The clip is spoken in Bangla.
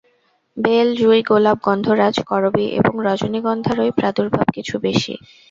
বেল, জুঁই, গোলাপ, গন্ধরাজ, করবী এবং রজনীগন্ধারই প্রাদুর্ভাব কিছু বেশি।